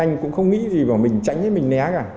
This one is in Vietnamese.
anh em cũng không nghĩ gì mà mình tránh mình né cả